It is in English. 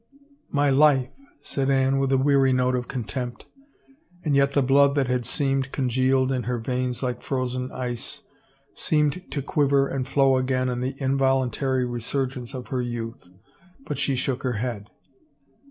" My life !" said Anne with a weary note of contempt, and yet the blood that had seemed congealed in her veins like frozen ice, seemed to quiver and flow again in the involuntary resurgence of her youth. But she shook her head.